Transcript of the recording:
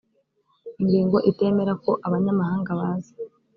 ingingo itemera ko abanyamahanga baza